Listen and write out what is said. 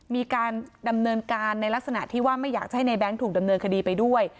มีการดำเนินการในลักษณะที่ว่าไม่อยากจะให้ในแง๊งถูกดำเนินคดีไปด้วย